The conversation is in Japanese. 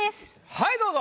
はいどうぞ。